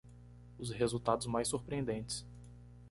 Os resultados mais surpreendentes